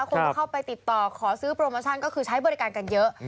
คนก็เข้าไปติดต่อขอซื้อโปรโมชั่นก็คือใช้บริการกันเยอะ